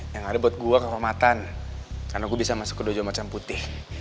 yang ada buat gue kehormatan karena gue bisa masuk ke dojo macam putih